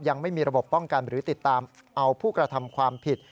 ยังไม่มีระบบป้องกันหรือติดตามเอาผู้กระทำความผิด